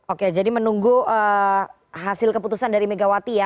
oke jadi menunggu hasil keputusan dari megawati ya